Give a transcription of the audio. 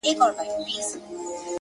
o زما خوښيږي پر ماگران دى د سين تـورى؛